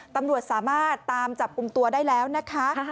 ตำรวจสามารถตามจับกลุ่มตัวได้แล้วนะคะ